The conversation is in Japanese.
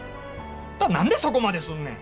あんた何でそこまですんねん。